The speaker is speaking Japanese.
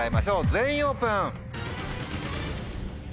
全員オープン！